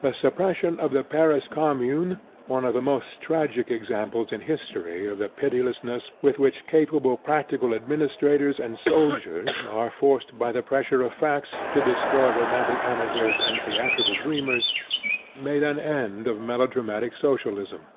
The suppression of the Paris Commune, one of the most tragic examples in history of the pitilessness with which capable practical administrators and soldiers are forced by the pressure of facts to destroy romantic amateurs and theatrical dreamers, made an end of melodramatic Socialism.